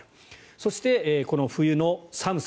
そして、この冬の寒さ。